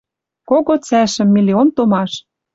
Кого цӓшӹм миллион томаш.